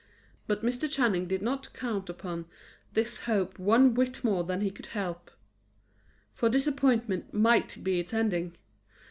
But Mr. Channing did not count upon this hope one whit more than he could help; for disappointment might be its ending.